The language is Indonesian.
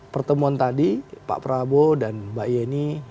pertemuan tadi pak prabowo dan mbak yeni